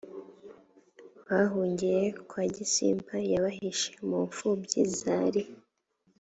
bahungiye kwa gisimba yabahishe mu mfubyi zari